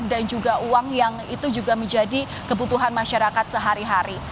dan juga uang yang itu juga menjadi kebutuhan masyarakat sehari hari